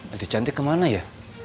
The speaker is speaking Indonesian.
adik cantik kemana ya